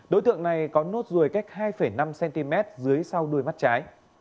đối tượng này có nốt ruồi cách hai năm cm dưới sau đuôi mắt trái